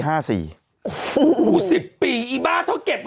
๑๐ปีอีบ้า